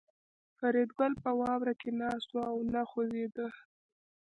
فریدګل په واوره کې ناست و او نه خوځېده